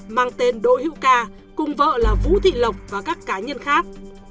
mang tên đỗ hữu ca cùng vợ là vũ thị lộc và các cá nhân khác